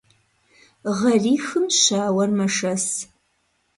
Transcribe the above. Гъэрихым щауэр мэшэс.